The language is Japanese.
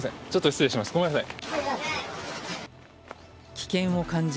危険を感じ